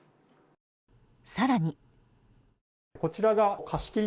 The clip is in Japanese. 更に。